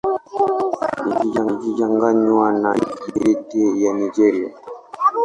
Isichanganywe na Kibete ya Nigeria.